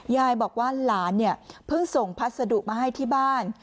ยายบอกว่าหลานเนี่ยเพิ่งส่งพัสดุมาให้ที่บ้าน